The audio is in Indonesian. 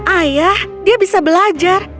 ayah dia bisa belajar